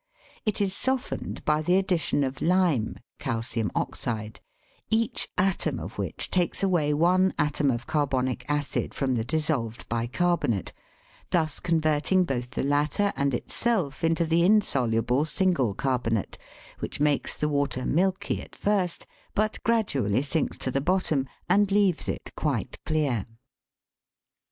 It is softened by the addition of lime (calcium oxide), each atom of which takes away one atom of carbonic acid from the dissolved bi carbonate, thus converting both the latter and itself into the insoluble single carbonate, which makes the water milky at first, but gradually sinks to the bottom and leaves it quite clear.